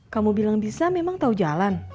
kamu bilang bisa memang tahu jalan